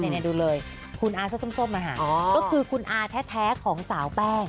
นี่ดูเลยคุณอาเสื้อส้มก็คือคุณอาแท้ของสาวแป้ง